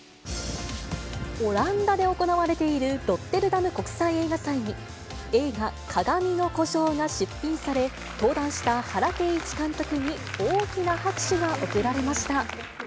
オランダで行われているロッテルダム国際映画祭に、映画、かがみの孤城が出品され、登壇した原恵一監督に大きな拍手が送られました。